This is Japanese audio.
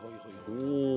お。